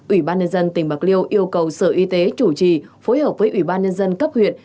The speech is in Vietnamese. ủy ban nhân dân tỉnh bạc liêu yêu cầu sở y tế chủ trì phối hợp với ủy ban nhân dân cấp huyện